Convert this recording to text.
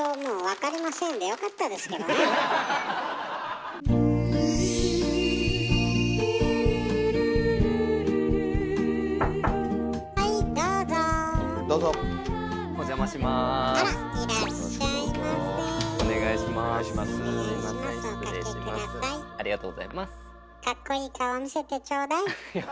かっこいい顔見せてちょうだい。